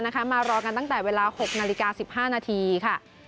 มารอกันตั้งแต่เวลา๖นาฬิกา๑๕นาทีค่ะ